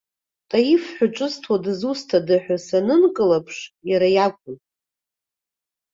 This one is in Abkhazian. Таиф ҳәа ҿызҭуа дазусҭада ҳәа санынкылаԥш, иара иакәын.